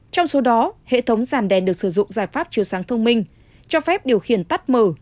trong số đó hệ thống giàn đèn được sử dụng giải pháp chiều sáng thông minh cho phép điều khiển tắt mở